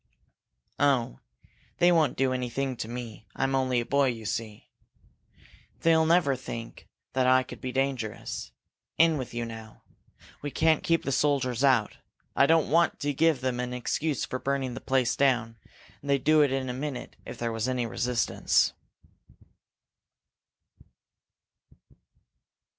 "Oh, they won't do anything to me! I'm only a boy, you see. They'll never think that I could be dangerous. In with you, now! We can't keep the soldiers out. I don't want to give them an excuse for burning the place down, and they'd do it in a minute if there was any resistance."